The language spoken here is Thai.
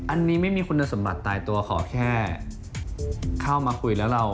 อันนี้ไม่มีคุณสมบัติตายตัวขอแค่เข้ามาคุยแล้วเรา